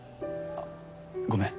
あっごめん。